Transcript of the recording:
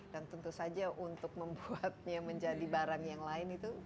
dan tentu saja untuk membuatnya menjadi barang yang lain itu